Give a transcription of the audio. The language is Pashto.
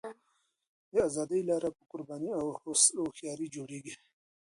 د ازادۍ لاره په قربانۍ او هوښیارۍ جوړېږي.